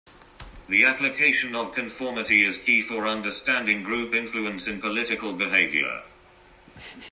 The application of conformity is key for understanding group influence in political behavior.